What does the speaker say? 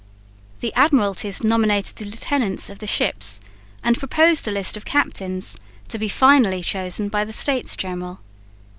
The Admiralties nominated the lieutenants of the ships and proposed a list of captains to be finally chosen by the States General.